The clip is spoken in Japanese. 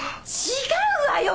違うわよ！